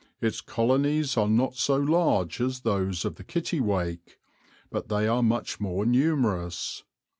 Its colonies are not so large as those of the Kittiwake, but they are much more numerous.